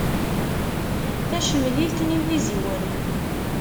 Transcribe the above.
Tacemlit n yiwiziwen.